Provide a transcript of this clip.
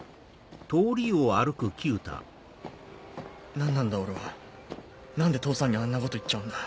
何なんだ俺は何で父さんにあんなこと言っちゃうんだ？